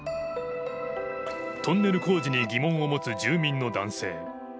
トンネル工事に疑問を持つ住民の男性。